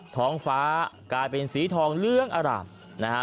ท้องฟ้ากลายเป็นสีทองเหลืองอร่ามนะฮะ